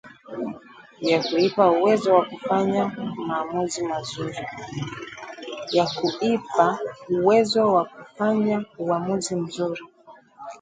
ya kuipa uwezo wa kufanya uamuzi mzuri